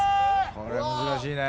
これ難しいね。